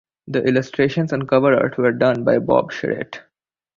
The illustrations and cover art were done by Bob Charrette.